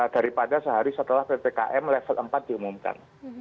daripada sehari setelah ppkm level empat diumumkan